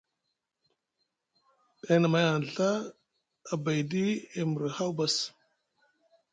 Day na may hanɗa Ɵa, abayɗi e mri haw bas.